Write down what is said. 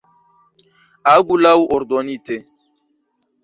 Agu laŭ ordonite.